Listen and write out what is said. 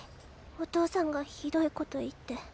お父さんがひどいこと言って。